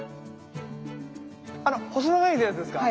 あの細長いやつですか？